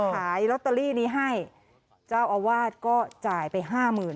ขายลอตเตอรี่นี้ให้เจ้าอาวาสก็จ่ายไปห้าหมื่น